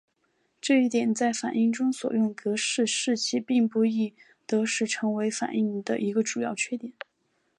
这一点在反应中所用格氏试剂并不易得时成为反应的一个主要缺点。